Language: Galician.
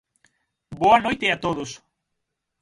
Boa noite a todos.